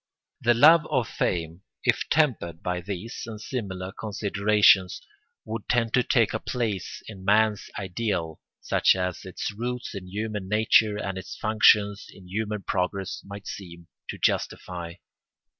The love of fame, if tempered by these and similar considerations, would tend to take a place in man's ideal such as its roots in human nature and its functions in human progress might seem to justify.